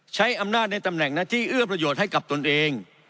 ใช้อำนาจในตำแหน่งหน้าที่เอื้อประโยชน์ให้กับตนเอง